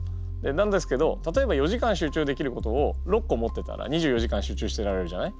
なんですけど例えば４時間集中できることを６個持ってたら２４時間集中してられるじゃない？